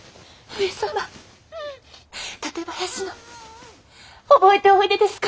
上様館林の覚えておいでですか？